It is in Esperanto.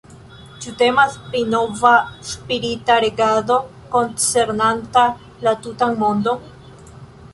Ĉu temas pri nova spirita regado koncernanta la tutan mondon?